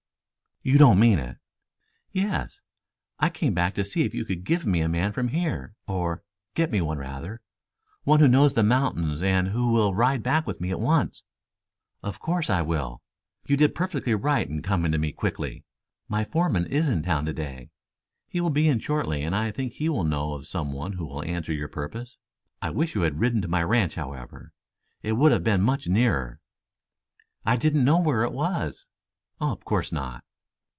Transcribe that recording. "You don't mean it?" "Yes. I came back to see if you could give me a man from here, or get me one rather. One who knows the mountains and who will ride back with me at once." "Of course I will. You did perfectly right in coming to me quickly. My foreman is in town to day. He will be in shortly and I think he will know of some one who will answer your purpose. I wish you had ridden to my ranch, however. It would have been much nearer." "I didn't know where it was." "Of course not."